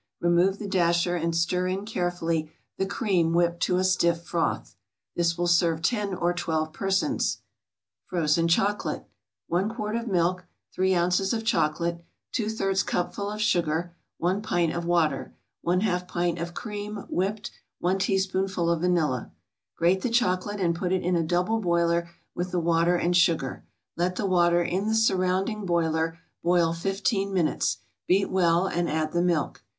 Remove the dasher and stir in carefully the cream whipped to a stiff froth. This will serve ten or twelve persons. FROZEN CHOCOLATE 1 quart of milk 3 ounces of chocolate 2/3 cupful of sugar 1 pint of water 1/2 pint of cream, whipped 1 teaspoonful of vanilla Grate the chocolate and put it in a double boiler with the water and sugar; let the water in the surrounding boiler boil fifteen minutes, beat well, and add the milk.